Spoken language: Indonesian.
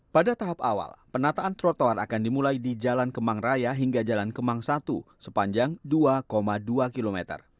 pada tahap awal penataan trotoar akan dimulai di jalan kemang raya hingga jalan kemang satu sepanjang dua dua km